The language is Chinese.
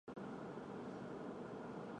眼完全为脂性眼睑所覆盖。